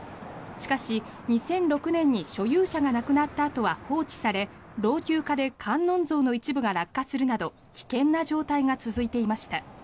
しかし、２００６年に所有者が亡くなったあとは放置され老朽化で観音像の一部が落下するなど危険な状態が続いていました。